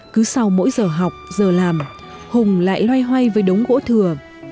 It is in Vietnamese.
cứ sau mỗi giờ học giờ làm hùng lại loay hoay với đống gỗ thừa